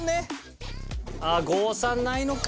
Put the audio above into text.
あ郷さんないのか。